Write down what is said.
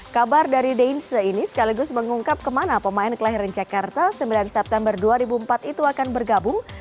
kabar dari deinse ini sekaligus mengungkap kemana pemain kelahiran jakarta sembilan september dua ribu empat itu akan bergabung